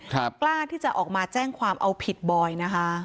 กล้าที่จะออกมาแจ้งความเอาผิดบอยนะคะ